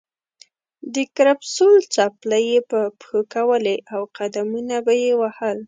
د کرپسول څپلۍ یې په پښو کولې او قدمونه به یې وهل.